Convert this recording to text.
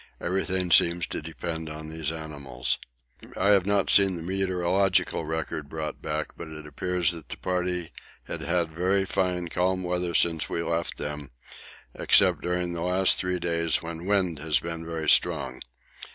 Everything seems to depend on these animals. I have not seen the meteorological record brought back, but it appears that the party had had very fine calm weather since we left them, except during the last three days when wind has been very strong.